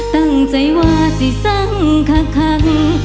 ตั้งใจว่าสิสังคัง